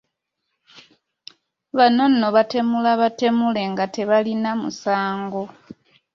Bano nno baatemula batemule nga tebalina musango.